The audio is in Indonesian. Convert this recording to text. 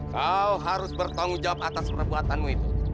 kau harus bertanggung jawab atas perbuatanmu itu